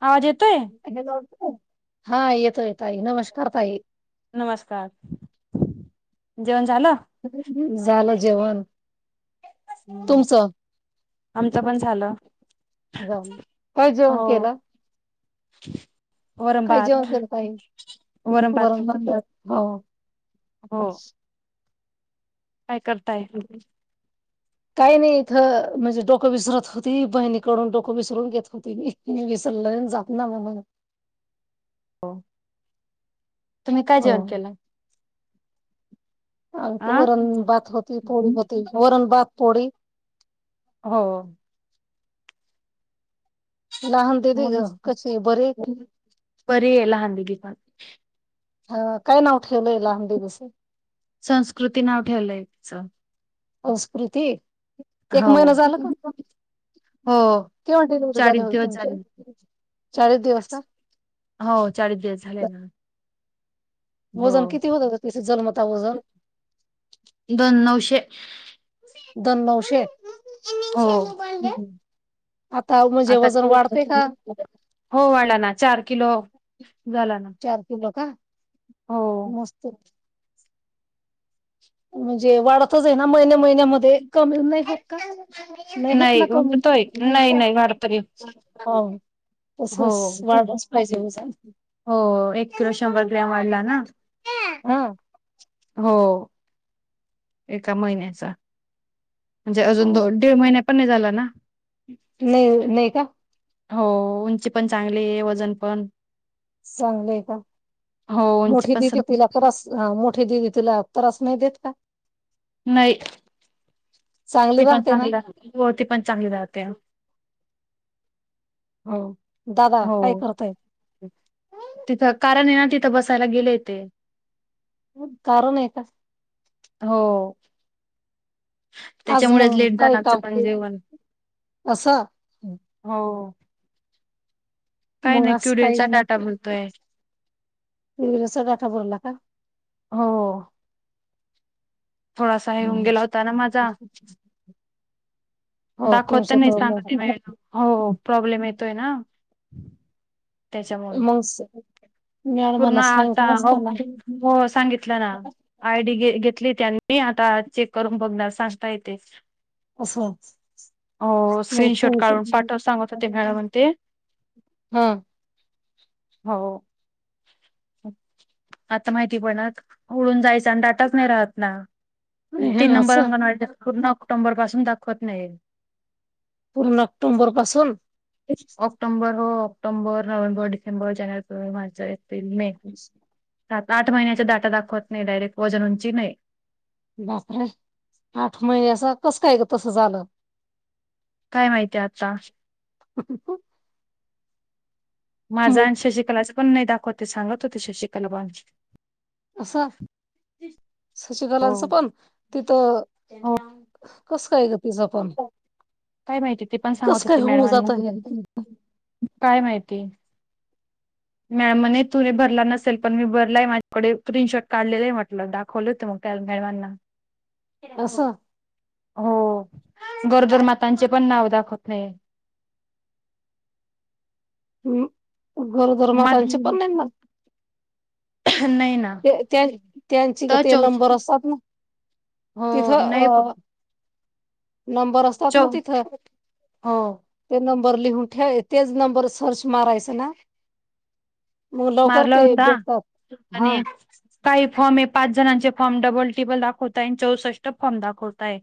आवाज येतोय [unintelligible] हा येतोय ताई नमस्कार ताई. नमस्कार जेवण झालं. झालं जेवण. तुमच आमचं पण झालं जाऊ काय जेवण केलं. [inaudible] वरण काय भात जेवण केलं ताई वरण भात. हो. हो. काय करताय. काही नाही इथं म्हणजे डोकं विसरत होती बहिणीकडून डोकं विसरून घेत होती विसरलं जात ना म्हणून [inaudible] तुम्ही काय हो जेवण केलं. आ वरण-भात होतं पोळी होती. पोळी. हो. लहान दीदी ग म्हणून कशी आहे बरी आहे का ती. कप. हा काय नाव? ठेवलंय लहान दिदीचं संस्कृती नाव ठेवलंय. [inaudible] संस्कृती. एक हो महिना झाला का हो केव्हा डिलिव्हरी झाली चाळीस होती दिवस तुमची झाले चाळीस दिवस का हो चाळीस दिवस झाले ना. हो वजन किती होत होतं तिचा जन्मता वजन दोन [inaudible] दोन नवशे. हो आता हो वाला ना चार किलो झाला ना चार किलो का हो. मस्त म्हणजे वाड आहे ना महिन्या महिन्या म कमी नाही होत का नाही होत ना कमी म्हणतोय नाही नाही वाढतोय. हो हो तसच वाढतच पाहिजे जा. मला ना. [inaudible] हो. एका महिन्याचा म्हणजे हो अजून तो दीड महिन पण नाही झाला ना. [inaudible] नाही नाही का. हो उंची पण चांगली आहे वजन पण चांगलंय का हो उंची मोठी पण स दिदी तिला पर मोठी दिदी तिला. त्रास नाही देत का. नाही. चांगली ते पण राहते ना चांगल हो ती पण चांगली राहते. हो. दादा हो काय करताय तिथं कारण हे ना तिथ. बसायला गेले ते. कारण आहे का? हो. आज त्याच्यामुळेच मग लेट काय झालं आमचं काम पण हे जेवण. असं. काय मग नाही आज काही क्युडचा डाटा बोलतोय विरचा डाटा भरला का? हो. थोडासा येऊन गेला होता ना मझा. हो दाखवत तुमचं नाही तर मग सांग [unintelligible] हो प्रॉब्लेम य त हे ना, त्याच्यामुळे मग पूर्ण मॅडमांना आता सांगितलं असताना [unintelligible] सांगितलं ना आयडी घे घेतली त्यानी मी आता चेक करून बघणार सांगता हे ते. असं हो मग स्क्रीनशॉट तुमच काढून पाठव सांगत होते मॅडमण ते. हा हव आता माहिती पणत उडून जायचं ताटात नाही राहत ना, हे तीन नंबर [unintelligible] असं अंगणवास् पूर्ण ऑक्टोबरपसून दाखवत नाहीये. पूर्ण ऑक्टोंबर पासून. ऑक्टोबर, नोव्हेंबर, डिसेंबर, जानेवारी, फेब्रुवारी, मार्च हे. तिन मे. सात आठ महिन्याच्या डाटा दाखवत नाही डायरेक्ट वजन उंची नाही. बापरे आठ महिन असं कस काय तसं झालं? काय माहितीय आता. माझा मग आण शशिकलाच पण नाही दाखवत. ते सांगत हो ते शशिकला बात अस. हो शचिकलांचं पण तिथं हो कसं काय ग तिचं पण काय माहिती ते पण सांगत कस काय होती होऊ मॅडमांना जात हे काय माहिती. ते. मॅडने तु हे भरला नसेल पण मी भरलाय माझ्याकडे प्रिनशॉट काढलेले आहे म्हटलं दाखवले होते मग मॅडमांना. अस. हो गरोदर मातांचे पण नाव दाखवत नाहीये. हम्म. गरोदर मातांचे पण नाहीना. नाही ना ते त्यां त्यांची ग तर ते चौ नंबर असतात ना हो तिथं नाही अ फक्त नंबर असतात चौ ना तिथं, हो ते नं बरं लिहून ठेव तेच नंबर सर्च मारायच ना, मग लवकर मारला ते होता भेटतात हा. आणि काही फॉम आहे पाच जणांचे फॉम डबल टी बल दाखवतय आणि चौसष्ट फॉम दाखवताय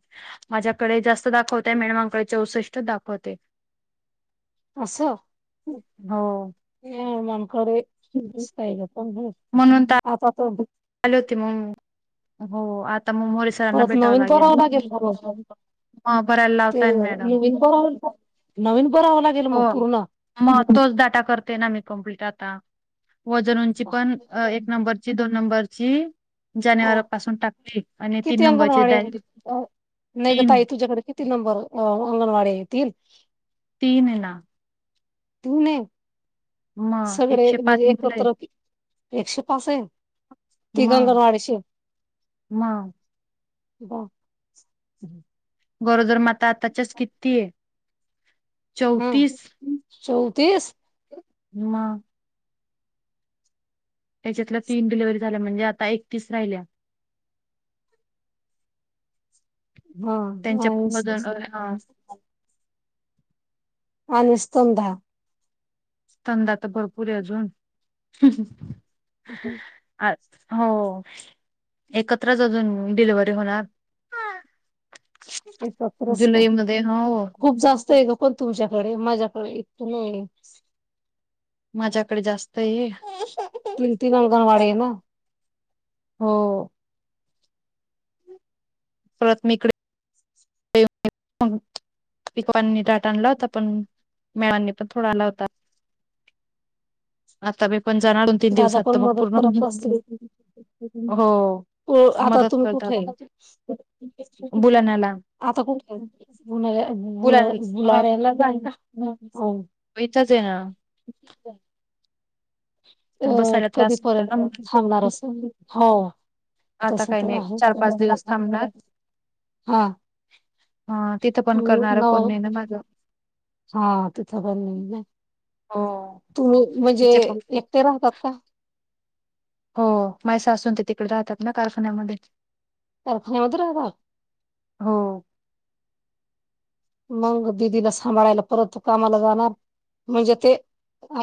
माझ्याकडे जास्त दाखवतय मॅयमकडे चौसष्ट दाखवते. आसं हो. ह मम [unintelligible] कडे इस्तय ग प [unintelligible] म्हणून ता त [unintelligible] ले होते मंग हो आथा परत नवीन करावं लागेल ब मग भरायला [unintelligible] ते लावताय मॅडम नवीन कव नवीन. करावं लागेल हो मग पूर्ण मग तोच डाटा करते ना मी कम्प्लीट आता. वजनोंची पण एक नंबरची दोन नंबर जी, हा किती नंबरची अंगणवाडी आहेत डायरेक्ट अ नाही ग तीन ताई तुझ्याकडे किती नंबर अंगणवाडी येतील. तीन ने ना, धुणे मग सगळे एकशे पाच म्हणजे मुलं एकत्र एकशे पास आहे. ती म गंगणवाडीची म. बा गोरोदर माता आताच्याच किती ये. हा चौतीस. चौतीस? म. त्याच्यातला तिन डिलिव्हरी झाल्या म्हणजे आता एकतीस राहिल्या. हां त्यांच्या पण आहेच वजन बस. आनीस्तम धा. तनदा तर भरपूर आहे अजून हम हम. अहं. हो एकत्रच अजून डिलिव्हरी होणार. एक फक्तरस का जुलै मध्ये हो खूप जास्त आहे ग कोण तुमच्याकडे अ मजाक इत नाही. माझ्याकडे जास्त आहे. प्रिंती नलगणवाडे आहे ना. हो. परत मी इकडे पिकवांनी दाट आणला होता पण मेळांनी पण थोडा आला होता. [unintelligible] तीन दादा दिवसात पण तर मग मदत पूर्ण करत असतील हो आता मदत तुम्ही कुठे करतात बुलाण्याला आता कुठेु बुलाण्या बुलाड्याला जा इथंच आहे ना [unintelligible] अ तर बसायला त्रास त्याला कधीपर्यंत थांबणार अस हो आता तस काही तर नाही चार पाच आहे दिवस थांबणार हा अ तिथं पण करणार न कोण नाही ना माझं हा तिथं पण हो तू म्हणजे तिचे प एकटे राहतात का? हो माय सासु न ते तिकडे राहतात ना कारखान्यामध्ये. कारखान्यामध्ये राहतात? हो मंग दिदीला सांभाळायला परत कामाला जाणार म्हणजे ते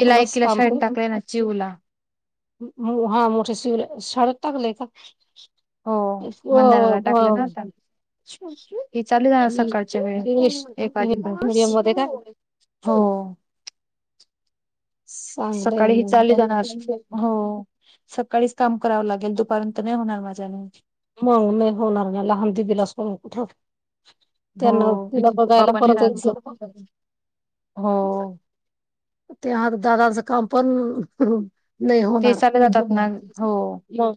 तिला एकीला शाळेत टाकलय न चिऊला. हो हा मोठे शि शाळेत टाकलेय का? हो मंदारला व- टाकलय न व- आता. हिचं आ [unintelligible] इ- सकाळच्या इंग्लिश वेळेत मिडियम मध्ये का [unintelligible] हो चांगलंय सकाळी हि चाली मग जाणार हो सकाळीच काम करावं लागेल दुपार नंतर नाही होणार माझ्याने. हो मंग नाही होणार न लहान दिदीला सोडून कुठं हो त्यांना तिला बघायला परत एक हो. ते हाय दादा काम पण नाही ते होणार सगळे [unintelligible] हो. मग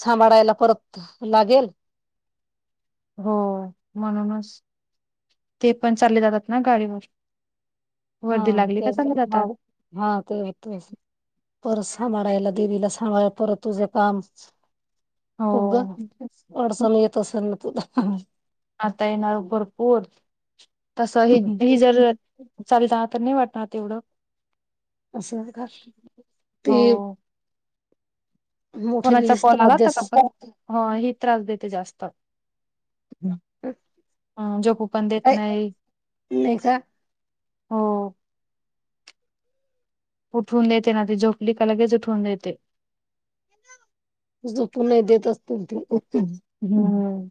सांभाळायला परत लागेल. हो म्हणूनच ते पण चालले जातात ना गाडीवर. हा वर्दी लागली का तेच चालले जातात हा ते वाटतचं. पोर सांभाळायला देवीला सांभाळायला परत तुझं काम. खूप ग हो वाडसा न येत असेल? तुला आता येणार भरपूर तस ह ही जर चालल तर नाही वाटत राहत तेवढं असं नाही का ती हो कोणाचा कॉल आला तर देत ही त्रास देते जास्त. अं, झोपू पण देत नाही नाही का? हो. उठवून देते ना ती झोपली का लगेच उठवून देते. झोपु नाही देतं अ हम्म. [inaudible]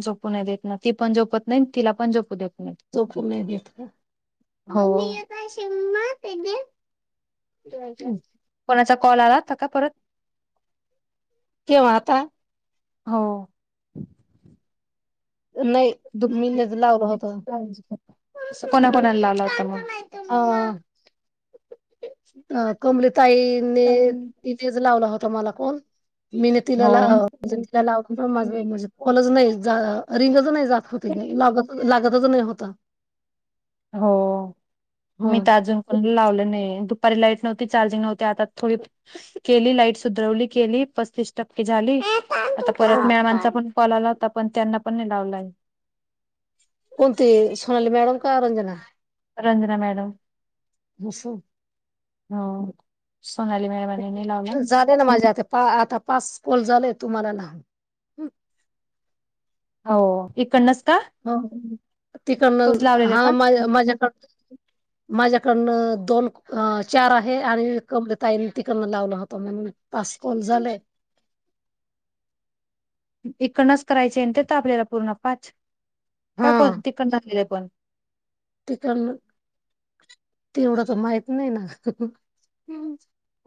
झोपू नाही देत ना ती पण झोपत नाही तिला पण झोपू देत नाही. झोपू नाही देत का? हो. [unintelligible] कोणाचा कॉल आला होता का परत केव्हा आता हो. नाही मिणच लावला होता. असं कोणा कोणाला लावला होता मग अ अ कम लीप ताईने तिथेच लावला होता. तुम्हाला कोण? मीने तिला हो. लाव तिला लावला पण माझे काॅलच नाही रिंगच नाही जात होती ग लागतच नाही होता. हो मी हो. तर अजून कोणाला लावलं नाही दुप पर लाइट नव्हती चार्जिंग नव्हती आता थोडी केली लाईट सुधरवली केली पस्तीस टक्के झाली प आता परत मॅमाचा पण कॉल आला आता पण त्यांना पण नाही लावला ये. कोणती सोनाली मॅडम का रंजना रंजना मॅडम भूसु हो. सोनाली मॅडमांनी नाही लावला. जाले ना माझे आ पा आता पास कॉल झालये तू मला लाव. हो इकडन हो तिकडनं लावलेले हा का? माझ्या माझ्याकडन माझ्याकडन दोन, चार आहे आणि कमल ताईन तिकडन लावला होता म्हणून पास कॉल झालये. इकडनच करायचे ते तर आपल्याला पूर्ण पाच. का कोण तिकडन [unintelligible] तिकडण तेवढं तर माहित नाही ना.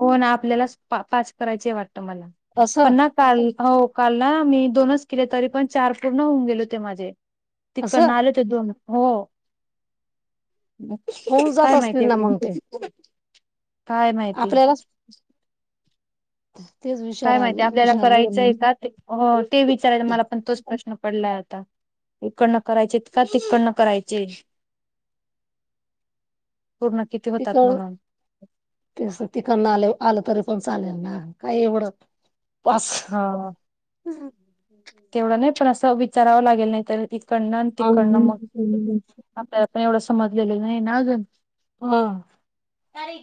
हो ना आपल्याला पाच पाच करायचे वाटते मला असं पण ना काल हो काल ना मी दोनच केले तरी पण चार पूर्ण होऊन गेल, होते माझे. तिकडण असं आले होते दोन. हो. होऊन जात काय माहिती असतील ना मग ते आहे काय माहिती? बास. काय माहितीय आपल्याला विचारलं करायचंय नाही का ते ते विचाराय मला पण तोच प्रश्न पडला आहे. इकडनं करायचे का तिकडनं करायचे.? पूर्ण किती होतात तिकड म्हणून ते तिकड आले आलं तरी पण चालेल ना काय एवढं? पास हा तेवढं नाही पण अस- त विचारावं लागलं नाय तर उगी आपल्याला [unintelligible] पण एवढं समजलेलं नाही ना अजून.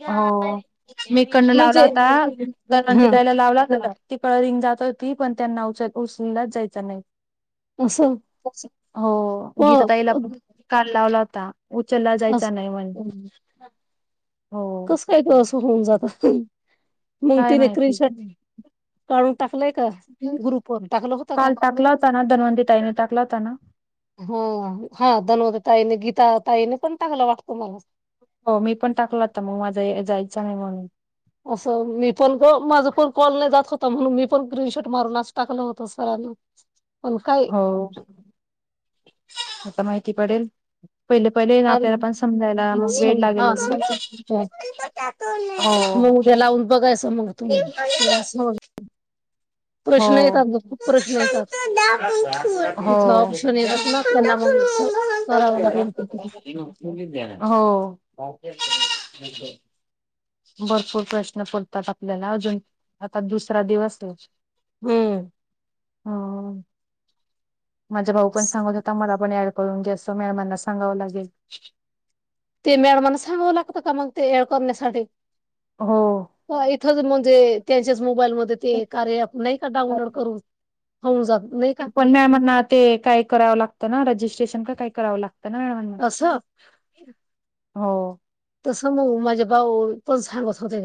हो मी इकंड म्हणजे लावला होता हा [unintelligible] लावला पळ रिंग जात होती पण त्यांना उच उचललाच जायच नाय. असं हो गीता ताईला पण काल लावला हो ता अस हम्म हो कस काय होऊन जात? हं काय तिनी स्क्रीन माहिती शॉट काढून.. टाकलाय का ग्रुपवर टाकलं होत का काल टाकला होता ना? धनवंती ताईने टाकला होता ना. हो हो हा धनवंती ताईने गीता ताईने पण टाकला वाटत मलाच. हो मी पण टाकल होता मग माझा जायचा नाही म्हणून. असं मी पण ग माझ पण कॉल नाही जात होता म्हणून मी पण स्क्रीनशॉट मारूनच टाकलं होता सरांना. पण काय हो आता काही ती पडेल. पहिले पहिले ना आलं. आपल्याला पण समजायला वेळ लागेल हा समजत. मग उद्या लावून बघायचं मग तुम्ही तेव्हा समज [unintelligible] प्रश्न येतात ग खूप प्रश्न येतात हो तिथं ऑप्शन -हो येतात ना त्यांना मग स- करावं -हो. लागत रिकामा ऑडिओ भरपूर प्रश्न पडतात आपल्याला अजून आता दुसरा दिवस हाय. हम्म माझ्या भाऊ पण सांगत होता मला- कोणी ऍड करून घ्याच मॅडमांना सांगावं लागेल. ते मॅडमांना सांगावं लागतं का मग ते ऍड करण्यासाठी. हो का म्हणजे त्यांच्या मोबाईल मध्ये कार्य ॲप नाही का डाउनलोड करून. हो सग ते पण मॅ म्हणणा ते काय करावं लागतं ना रजिस्ट्रेशन का काय कराव ला न म्ह असं हो तसं मग माझ्या बाऊ पण सांगत होते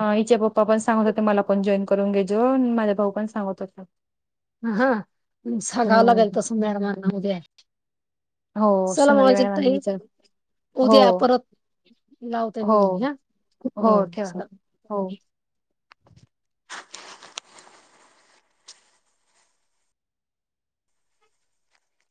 हिच्या पप्पा पण सांगत हो ते मला पण जॉईन कर करून घेजो माझ्या भाऊ पण सांगत होता ह हा सगाव लागेल हम्म तस मॅडम ना उद्या हो चला सोनाली मगजे मॅडमांना तई विचार हो उद्या परत लावतय हो मग मी ह हो चला हो.